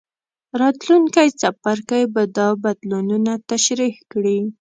راتلونکی څپرکی به دا بدلونونه تشریح کړي.